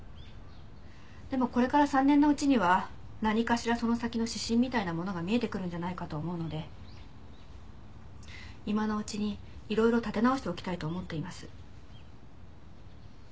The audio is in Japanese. でもこれから３年のうちには何かしらその先の指針みたいなものが見えてくるんじゃないかと思うので今のうちにいろいろ立て直しておきたいと思っています。